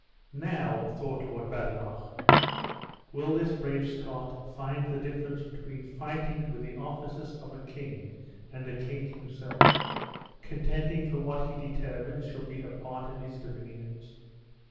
"Now," thought Lord Badenoch, "will this brave Scot find the difference between fighting with the officers of a king and a king himself, contending for what he determines shall be a part of his dominions!"